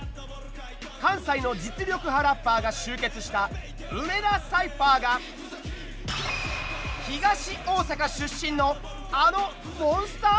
関西の実力派ラッパーが集結した梅田サイファーが東大阪出身のあのモンスター？